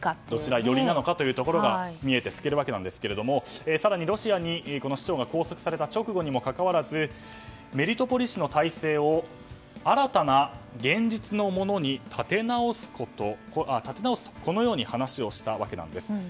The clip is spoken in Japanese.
どちら寄りなのかということが見えて透けるわけなんですが更にロシアにこの市長が拘束された直後にもかかわらずメリトポリの体制を新たな現実のものに立て直すとこのように話をしたわけです。